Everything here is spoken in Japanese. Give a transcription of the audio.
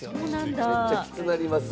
めっちゃキツなります。